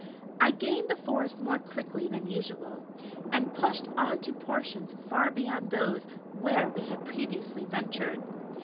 I gained the forest more quickly than usual, and pushed on to portions far beyond those where we had previously ventured.